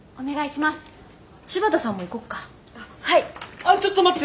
あちょっと待って。